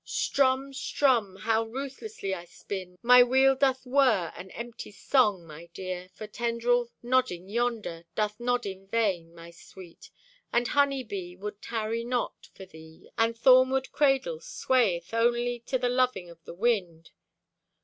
Strumm, strumm! How ruthlessly I spinn! My wheel doth wirr an empty song, my dear, For tendrill nodding yonder Doth nod in vain, my sweet; And honey bee would tarry not For thee; and thornwood cradle swayeth Only to the loving of the wind!